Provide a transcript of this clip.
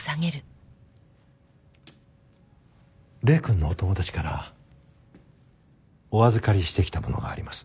礼くんのお友達からお預かりしてきたものがあります。